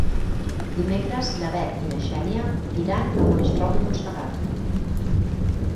Dimecres na Bet i na Xènia iran a Monistrol de Montserrat.